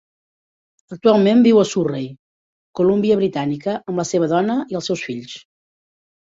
Actualment viu a Surrey, Colúmbia Britànica, amb la seva dona i els seus fills.